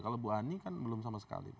kalau bu ani kan belum sama sekali